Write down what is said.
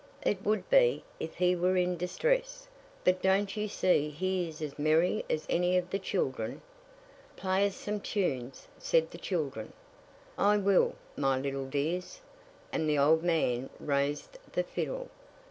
"It would be, if he were in distress; but don't you see he is as merry as any of the children?" "Play us some tunes," said the children. "I will, my little dears;" and the old man raised the fiddle.